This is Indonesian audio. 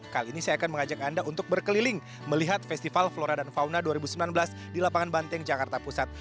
kali ini saya akan mengajak anda untuk berkeliling melihat festival flora dan fauna dua ribu sembilan belas di lapangan banteng jakarta pusat